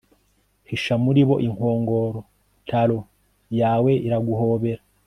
hisha muri bo inkongoro talon yawe iraguhobera